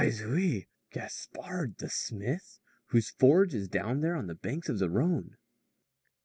"Mais oui! Gaspard, the smith, whose forge is down there on the banks of the Rhone."